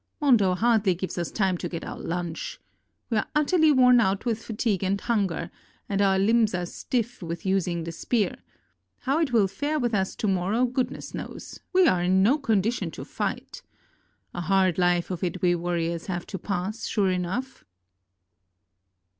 Mondo hardly gives us time to get our lunch. We are utterly worn out with fatigue and hunger, and our limbs are stiff with using the spear; how it will fare with us to morrow, good ness knows; we are in no condition to fight. A hard life of it we warriors have to pass, sure enough!"